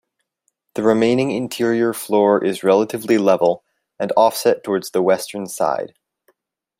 The remaining interior floor is relatively level, and offset toward the western side.